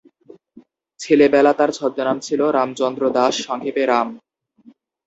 ছেলেবেলা তার ছদ্মনাম ছিল রামচন্দ্র দাস, সংক্ষেপে রাম।